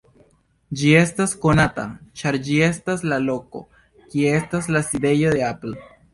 Ĝi estas konata, ĉar ĝi estas la loko, kie estas la sidejo de Apple.